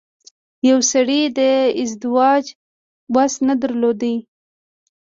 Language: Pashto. يوه سړي د ازدواج وس نه درلود.